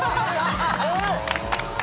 えっ！